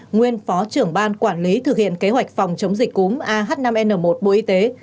nguyên phó trưởng ban quản lý thực hiện kế hoạch phòng chống dịch cúm ah năm n một bộ y tế